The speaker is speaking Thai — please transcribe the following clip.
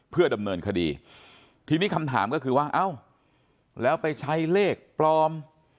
เพื่อดำเนินคดีทีนี้คำถามก็คือว่าเอ้าแล้วไปใช้เลขปลอม